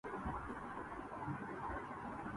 سرمہ ہے میری آنکھ کا خاک مدینہ و نجف